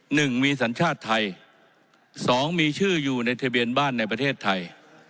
หนึ่งมีสัญชาติไทยสองมีชื่ออยู่ในทะเบียนบ้านในประเทศไทย